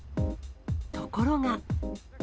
ところが。